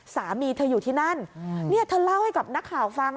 สามีเธออยู่ที่นั่นเนี่ยเธอเล่าให้กับนักข่าวฟัง